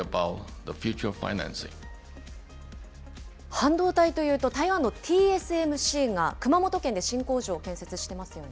半導体というと、台湾のＴＳＭＣが熊本県で新工場を建設してますよね。